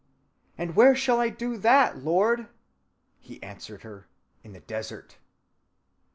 'And where shall I do that, Lord?' He answered her, In the desert.